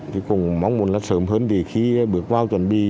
thì cùng mong muốn là sớm hơn thì khi bước vào chuẩn bị